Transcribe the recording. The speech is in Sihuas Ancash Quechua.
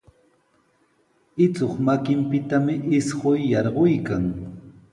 Ichuq makinpitami isquy yarquykan.